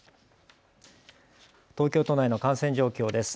東京都内の感染状況です。